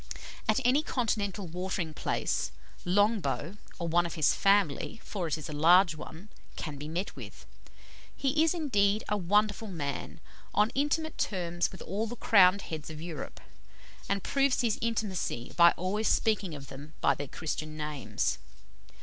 At any Continental watering place, Longbow, or one of his family for it is a large one can be met with. He is, indeed, a wonderful man on intimate terms with all the crowned heads of Europe, and proves his intimacy by always speaking of them by their Christian names.